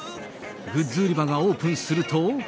グッズ売り場がオープンすると。